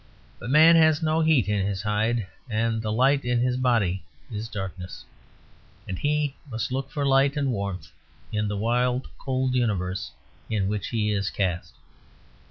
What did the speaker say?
But man has no heat in his hide, and the light in his body is darkness; and he must look for light and warmth in the wild, cold universe in which he is cast.